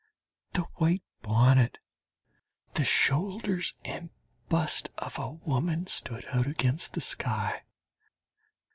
The white bonnet, the shoulders, and bust of a woman stood out against the sky.